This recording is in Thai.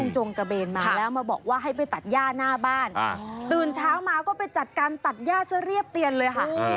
จงกระเบนมาแล้วมาบอกว่าให้ไปตัดย่าหน้าบ้านตื่นเช้ามาก็ไปจัดการตัดย่าซะเรียบเตียนเลยค่ะ